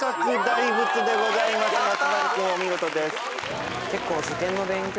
松丸君お見事です。